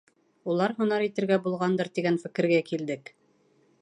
Улар һунар итергә булғандыр тигән фекергә килдек.